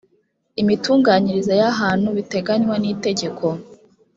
imitunganyirize y ahantu biteganywa nitegeko